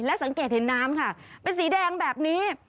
สังเกตเห็นน้ำค่ะเป็นสีแดงแบบนี้